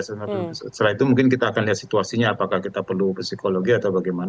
setelah itu mungkin kita akan lihat situasinya apakah kita perlu psikologi atau bagaimana